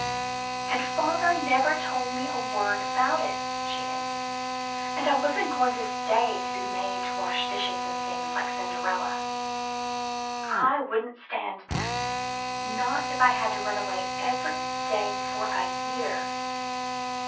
"And father never told me a word about it," she ended; "and I wasn't going to stay to be made to wash the dishes and things, like Cinderella. I wouldn't stand that, not if I had to run away every day for a year.